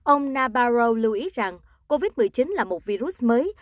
ông nabarow lưu ý rằng covid một mươi chín là một virus mới